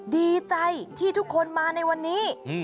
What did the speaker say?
ดีใจที่ทุกคนมาในวันนี้